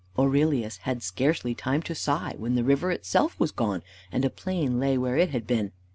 Aurelius had scarcely time to sigh, when the river itself was gone, and a plain lay where it had been.